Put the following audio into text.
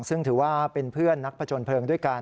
ซึ่งถือว่าเป็นเพื่อนนักผจญเพลิงด้วยกัน